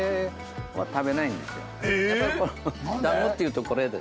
だんごっていうとこれで。